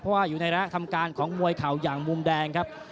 เพราะว่าอยู่ในระทำการของมวยเข่าอย่างมุมแดงครับ